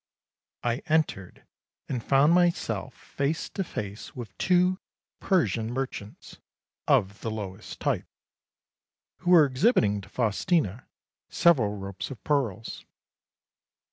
I entered and found myself face to face with two Persian merchants of the lowest type who were exhibiting to Faustina several ropes of pearls.